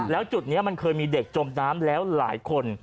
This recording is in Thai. แล้วจุดนี้มันเคยมีเด็กจมน้ำแล้วหลายคน